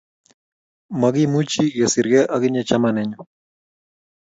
Makimuchi kesirkei ak inye chamanenyu